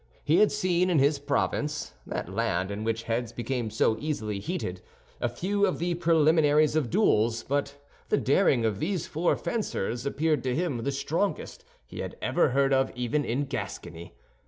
He had seen in his province—that land in which heads become so easily heated—a few of the preliminaries of duels; but the daring of these four fencers appeared to him the strongest he had ever heard of even in Gascony.